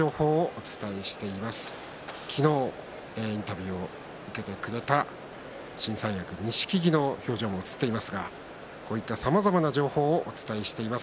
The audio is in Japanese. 昨日インタビューを受けてくれた新三役錦木の表情も映っていますが、こういったさまざまな情報をお伝えしています。